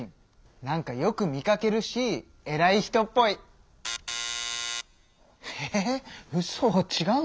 なんかよく見かけるしえらい人っぽい！えうそちがうの？